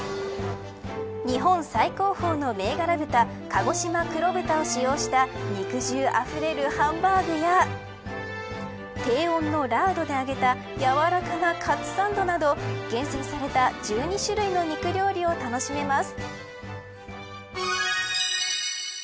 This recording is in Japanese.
日本最高峰の銘柄豚かごしま黒豚を使用した肉汁あふれるハンバーグや低温のラードで揚げた柔らかなカツサンドなど厳選された１２種類の肉料理を楽しめます。